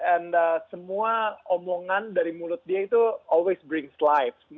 and semua omongan dari mulut dia itu always brings life